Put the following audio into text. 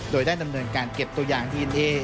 โดยได้ดำเนินการเก็บตัวอย่างดีเอนเอ